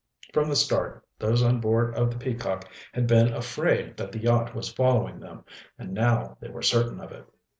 From the start those on board of the Peacock had been afraid that the yacht was following them, and now they were certain of it.